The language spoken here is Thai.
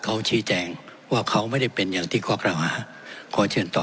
เขาชี้แจงว่าเขาไม่ได้เป็นอย่างที่ข้อกล่าวหาขอเชิญต่อ